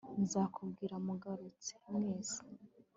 nzakubwira mugarutse mwese